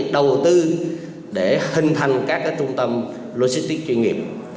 đầu tư để hình thành các trung tâm logistics chuyên nghiệp